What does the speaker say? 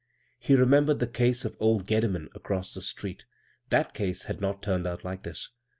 He remembered the case of old Gedimen across tiie street — that case had not turaed out like this.